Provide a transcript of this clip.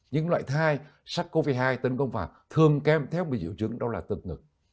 những loại thai sắc covid một mươi chín tấn công vào thường kèm theo một diệu chứng đó là tật ngực